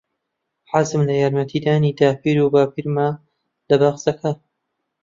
حەزم لە یارمەتیدانی داپیر و باپیرمە لە باخچەکە.